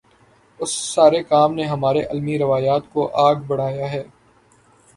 اس سارے کام نے ہماری علمی روایت کو آگے بڑھایا ہے۔